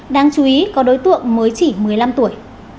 đáng chú ý có đối tượng mới chỉ một mươi năm tuổi